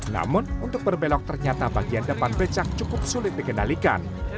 namun untuk berbelok ternyata bagian depan becak cukup sulit dikendalikan